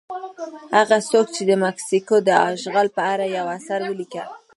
هغه څوک چې د مکسیکو د اشغال په اړه یو اثر ولیکه.